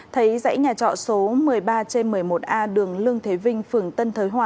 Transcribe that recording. thấy dãy nhà trọ số một mươi ba một mươi một a đường lương thế vinh